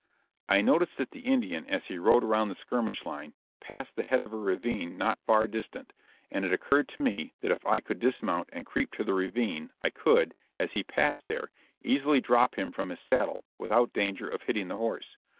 I noticed that the Indian, as he rode around the skirmish line, passed the head of a ravine not far distant, and it occurred to me that if I could dismount and creep to the ravine I could, as he passed there, easily drop him from his saddle without danger of hitting the horse.